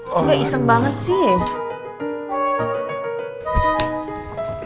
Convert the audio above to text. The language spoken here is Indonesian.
gak iseng banget sih